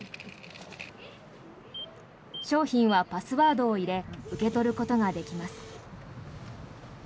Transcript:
商品はパスワードを入れ受け取ることができます。